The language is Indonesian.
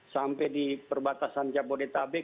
sampai di perbatasan jabodetabek